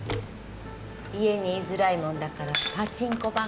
家に居づらいもんだからパチンコばっかり。